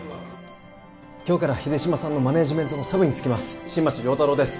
今日から秀島さんのマネージメントのサブにつきます新町亮太郎です